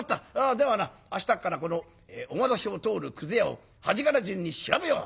ではな明日からこのお窓下を通るくず屋を端から順に調べよう！」